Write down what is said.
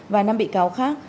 và năm bị cáo khác